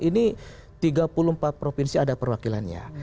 ini tiga puluh empat provinsi ada perwakilannya